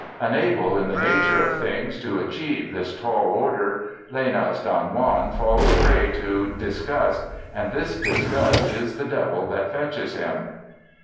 Unable in the nature of things to achieve this tall order Lenau's Don Juan falls prey to "Disgust, and this Disgust is the devil that fetches him."